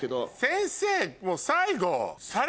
先生もう最後。